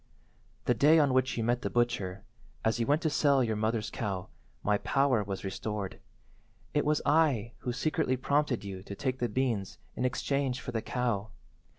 "The day on which you met the butcher, as you went to sell your mother's cow, my power was restored. It was I who secretly prompted you to take the beans in exchange for the cow.